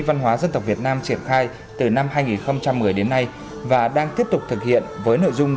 văn hóa dân tộc việt nam triển khai từ năm hai nghìn một mươi đến nay và đang tiếp tục thực hiện với nội dung